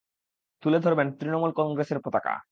তুলে ধরবেন তৃণমূল কংগ্রেসের পতাকা।